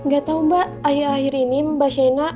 gatau mbak akhir akhir ini mbak sienna